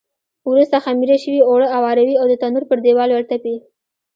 وروسته خمېره شوي اوړه اواروي او د تنور پر دېوال ورتپي.